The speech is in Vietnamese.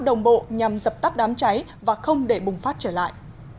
đồng bộ nhằm dập tắt đám cháy và không để bùng phát trở lại